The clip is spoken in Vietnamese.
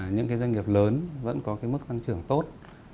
những doanh nghiệp lớn vẫn có mức tăng trưởng tốt